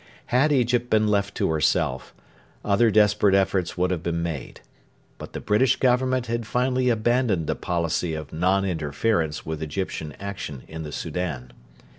Had Egypt been left to herself, other desperate efforts would have been made. But the British Government had finally abandoned the policy of non interference with Egyptian action in the Soudan.